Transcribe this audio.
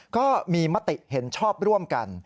ก็มีมติเห็นชอบร่วมกัน